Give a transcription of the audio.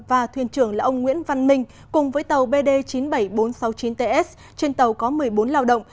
và thuyền trưởng là ông nguyễn văn minh cùng với tàu bd chín mươi bảy nghìn bốn trăm sáu mươi chín ts trên tàu có một mươi bốn lao động